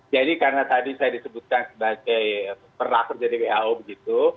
jadi karena tadi saya disebutkan sebagai pernah terjadi who begitu